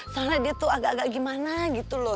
soalnya dia tuh agak agak gimana gitu loh